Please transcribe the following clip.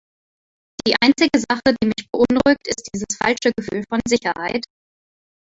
Die einzige Sache, die mich beunruhigt, ist dieses falsche Gefühl von Sicherheit.